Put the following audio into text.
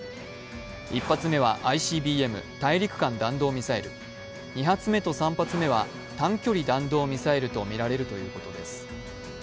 １発目はＩＣＢＭ＝大陸間弾道ミサイル、２発目と３発目は短距離弾道ミサイルとみられるということです。